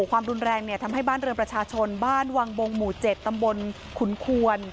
ความรุนแรงทำให้บ้านเรือนประชาชนบ้านวังบงหมู่๗ตำบลขุนควน